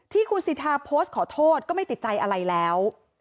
ที่คุณสิทธาโพสต์ขอโทษก็ไม่ติดใจอะไรแล้ว